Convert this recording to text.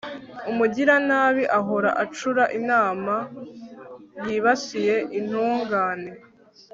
umugiranabi ahora acura inama yibasiye intungane